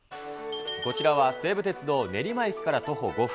こちらは西武鉄道練馬駅から徒歩５分。